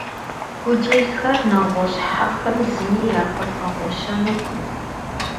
Пуделхэр нэгъуэщӏ хьэхэм зыми яхэбгъэгъуэщэнукъым.